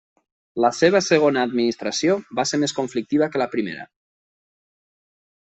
La seva segona administració va ser més conflictiva que la primera.